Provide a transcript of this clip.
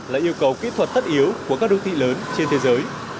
là yêu cầu kỹ thuật tất yếu của các đô thị lớn trên thế giới